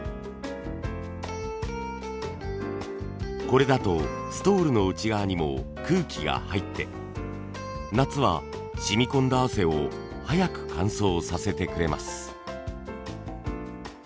これだとストールの内側にも空気が入って夏はしみ込んだ汗を早く乾燥させてくれます。